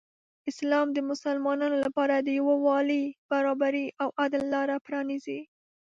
اسلام د مسلمانانو لپاره د یو والي، برابري او عدل لاره پرانیزي.